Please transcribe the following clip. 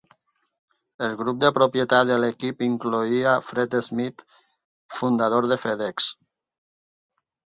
El grup de propietat de l'equip incloïa fred Smith, fundador de FedEx.